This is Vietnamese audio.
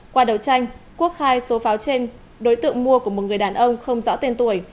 qua đấu tranh quốc khai số pháo trên đối tượng mua của một người đàn ông không rõ tên tuổi